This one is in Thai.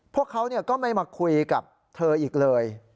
พวกเขาก็ไม่มาคุยกับเธออีกเลย